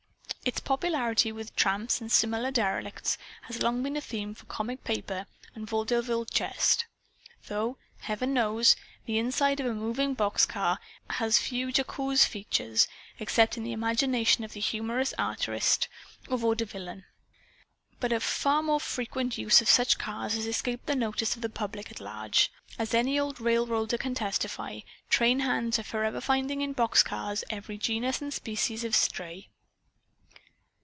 Its popularity with tramps and similar derelicts has long been a theme for comic paper and vaudeville jest. Though, heaven knows, the inside of a moving box car has few jocose features, except in the imagination of humorous artist or vaudevillian! But a far more frequent use for such cars has escaped the notice of the public at large. As any old railroader can testify, trainhands are forever finding in box cars every genus and species of stray.